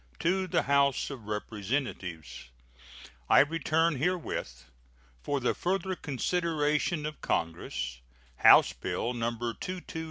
To the House of Representatives: I return herewith, for the further consideration of Congress, House bill No.